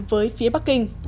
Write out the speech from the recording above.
với phía bắc kinh